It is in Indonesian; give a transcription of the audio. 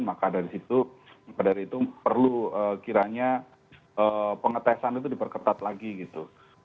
maka dari situ perlu kiranya pengetesan itu diperketat lagi gitu